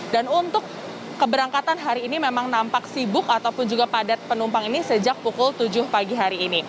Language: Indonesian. dan untuk keberangkatan hari ini memang nampak sibuk ataupun juga padat penumpang ini sejak pukul tujuh pagi hari ini